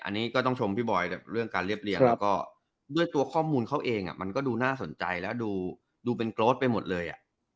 อันนี้ก็ต้องชมพี่บอยเรื่องการเรียบเรียงแล้วก็ด้วยตัวข้อมูลเขาเองมันก็ดูน่าสนใจแล้วดูเป็นโกรธไปหมดเลย